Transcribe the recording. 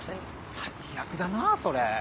最悪だなぁそれ。